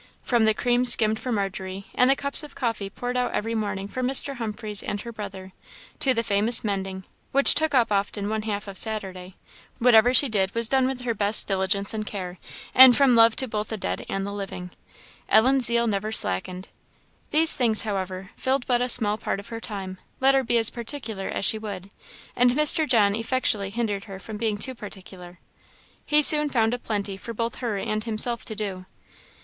From the cream skimmed for Margery, and the cups of coffee poured out every morning for Mr. Humphreys and her brother, to the famous mending, which took up often one half of Saturday, whatever she did was done with her best diligence and care; and from love to both the dead and the living, Ellen's zeal never slackened. These things, however, filled but a small part of her time, let her be as particular as she would; and Mr. John effectually hindered her from being too particular. He soon found a plenty for both her and himself to do.